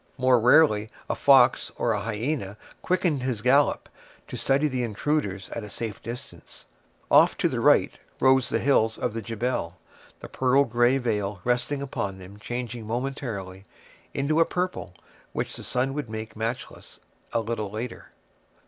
More rarely a fox or a hyena quickened his gallop, to study the intruders at a safe distance. Off to the right rose the hills of the Jebel, the pearl gray veil resting upon them changing momentarily into a purple which the sun would make matchless a little later.